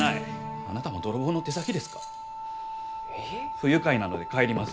不愉快なので帰ります。